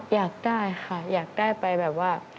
อยากได้ค่ะอยากได้ไปแบบว่า